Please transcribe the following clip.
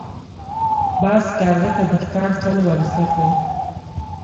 باز کارغه ته د ښکار چل ور زده کړ.